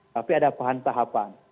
tapi ada paham tahapan